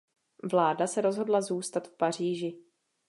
Vláda se rozhodla zůstat v Paříži.